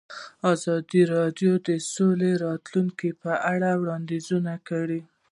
ازادي راډیو د سوله د راتلونکې په اړه وړاندوینې کړې.